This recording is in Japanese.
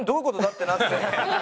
ってなって。